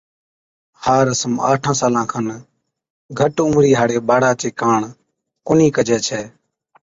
ھا رسم آٺان سالان کن گھٽ عمرِي ھاڙي ٻاڙا چي ڪاڻ ڪونھِي ڪجَي ڇَي